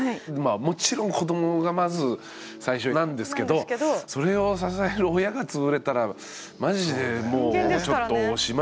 もちろん子どもがまず最初なんですけどそれを支える親が潰れたらマジでもうちょっとおしまいですもんね。